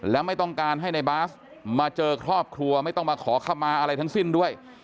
และไม่ต้องการให้ในบาสมาเจอครอบครัวไม่ต้องมาขอเข้ามาอะไรทั้งสิ้นด้วย